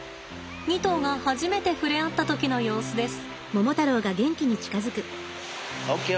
２頭が初めて触れ合った時の様子です。